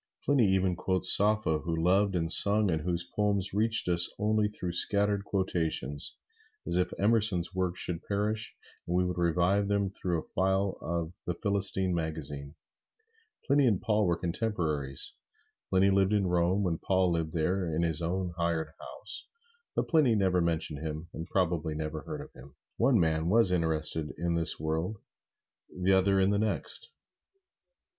Pliny even quotes Sappho, who loved and sung, and whose poems reached us only through scattered quotations, as if Emerson's works should perish and we would revive him through a file of "The Philistine" magazine. Pliny and Paul were contemporaries. Pliny lived at Rome when Paul lived there in his own hired house, but Pliny never mentioned him, and probably never heard of him. One man was interested in this world, the other in the next.